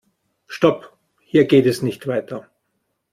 Stop! Hier geht es nicht weiter.